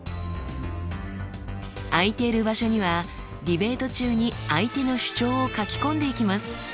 空いている場所にはディベート中に相手の主張を書き込んでいきます。